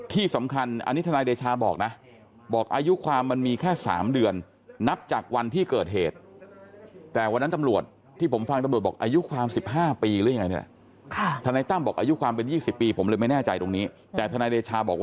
ที่สำคัญอันนี้ทนายเดชาบอก